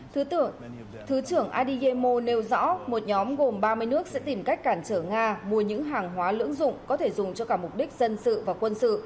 thứ trưởng adeyemo nêu rõ một nhóm gồm ba mươi nước sẽ tìm cách cản trở nga mua những hàng hóa lưỡng dụng có thể dùng cho cả mục đích dân sự và quân sự